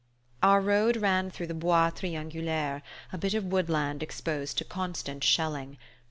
Our road ran through the "Bois Triangulaire," a bit of woodland exposed to constant shelling.